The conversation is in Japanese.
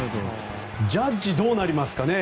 ジャッジどうなりますか。